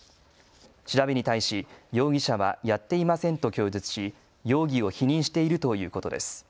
調べに対し容疑者はやっていませんと供述し容疑を否認しているということです。